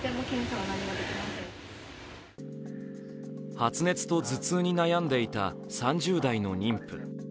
発熱と頭痛に悩んでいた３０代の妊婦。